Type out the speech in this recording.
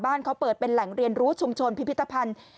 เขาเปิดเป็นแหล่งเรียนรู้ชุมชนพิพิธภัณฑ์